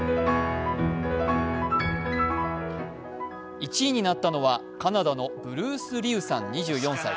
１位になったのはカナダのブルース・リウさん２４歳。